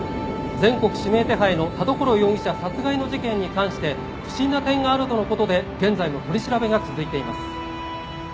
「全国指名手配の田所容疑者殺害の事件に関して不審な点があるとの事で現在も取り調べが続いています」